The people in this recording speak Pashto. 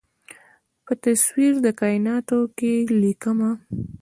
په تصویر د کائیناتو کې ليکمه